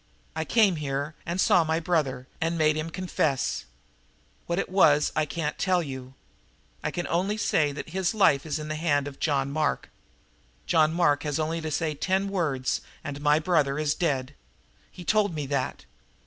I came here, and saw my brother and made him confess. What it was I can't tell you. I can only say that his life is in the hand of John Mark. John Mark has only to say ten words, and my brother is dead. He told me that.